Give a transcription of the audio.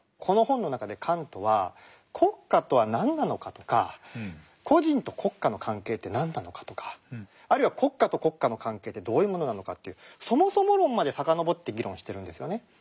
この本の中でカントは国家とは何なのかとか個人と国家の関係って何なのかとかあるいは国家と国家の関係ってどういうものなのかっていう「そもそも論」まで遡って議論してるんですよね。